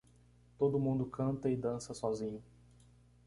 Todo mundo canta e dança sozinho.